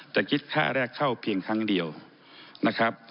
แต่คิดค่าแรกเข้าเพียงครั้งเดียวนะครับ